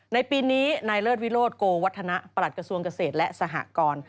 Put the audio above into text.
ในปีนี้นายเลิศวิโรธโกวัฒนะประหลัดกระทรวงเกษตรและสหกร